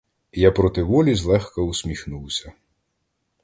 Я проти волі злегка усміхнувся.